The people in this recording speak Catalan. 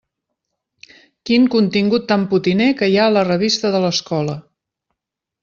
Quin contingut tan potiner que hi ha a la revista de l'escola!